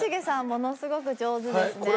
ものすごく上手ですね。